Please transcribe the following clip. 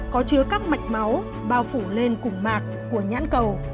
có chứa các mạch máu bao phủ lên cùng mạc của nhãn cầu